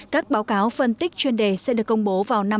các báo cáo phân tích chuyên đề sẽ được công bố vào năm hai nghìn hai mươi